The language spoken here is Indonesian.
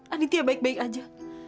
anitia baik baik aja